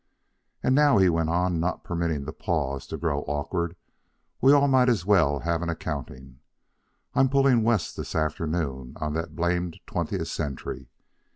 "And now," he went on, not permitting the pause to grow awkward, "we all might as well have an accounting. I'm pullin' West this afternoon on that blamed Twentieth Century."